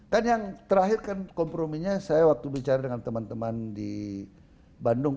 kan yang terakhir kan komprominya saya waktu bicara dengan teman teman di bandung